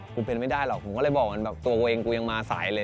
กูเป็นไม่ได้หรอกผมก็เลยบอกว่าตัวเองกูยังมาสายเลย